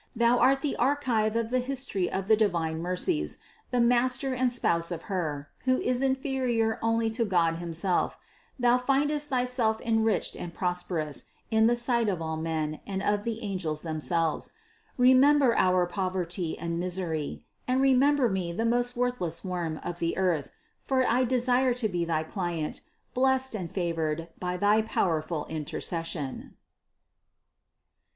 Thou art the archive of the history of the divine mercies, the master and spouse of Her, who is inferior only to God himself; thou findest thyself enriched and prosperous in the sight of all men and of the angels themselves. Remember our poverty and misery, and remember me the most worthless worm of the earth: for I desire to be thy client, blessed and favored by thy powerful intercession.